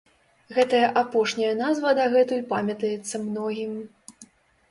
Гэтая апошняя назва дагэтуль памятаецца многім.